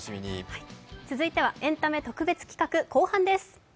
続いてはエンタメ特別企画後半戦です。